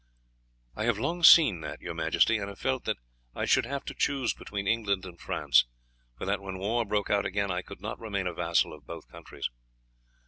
"I have long seen that, your majesty, and have felt that I should have to choose between England and France, for that, when war broke out again, I could not remain a vassal of both countries."